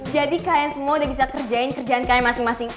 kalian semua udah bisa kerjain kerjaan kalian masing masing